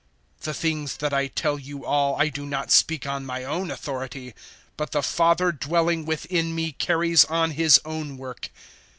The things that I tell you all I do not speak on my own authority: but the Father dwelling within me carries on His own work.